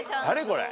これ。